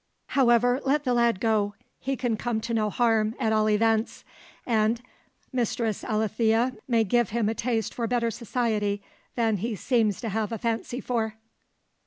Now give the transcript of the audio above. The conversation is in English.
However, let the lad go; he can come to no harm, at all events; and Mistress Alethea may give him a taste for better society than he seems to have a fancy for."